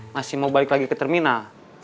masih mau balik lagi ke terminal